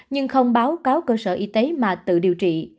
nhưng không báo cáo cơ sở y tế mà tự điều trị